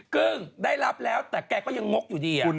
กึ้งได้รับแล้วแต่แกก็ยังงกอยู่ดี